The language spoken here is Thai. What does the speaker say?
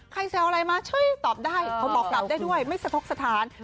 แซวอะไรมาช่วยตอบได้เขาบอกกลับได้ด้วยไม่สะทกสถาน